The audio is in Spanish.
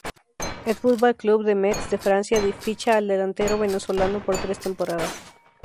El Football Club de Metz de Francia ficha al delantero venezolano por tres temporadas.